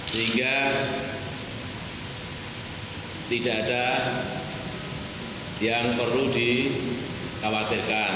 sehingga tidak ada yang perlu dikhawatirkan